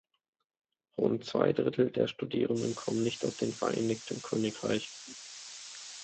Rund zwei Drittel der Studierenden kommen nicht aus dem Vereinigten Königreich.